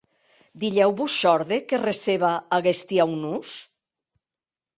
Dilhèu vos shòrde que receba aguesti aunors?